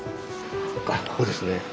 ここですね。